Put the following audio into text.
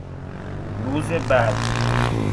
روز بد